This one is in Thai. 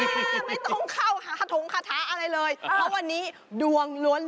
ไม่ต้องเข้าหาถงคาถาอะไรเลยเพราะวันนี้ดวงล้วน